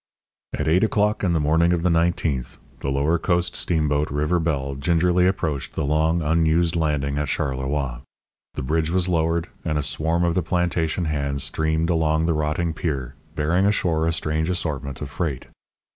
At eight o'clock in the morning of the nineteenth, the lower coast steamboat River Belle gingerly approached the long unused landing at Charleroi. The bridge was lowered, and a swarm of the plantation hands streamed along the rotting pier, bearing ashore a strange assortment of freight.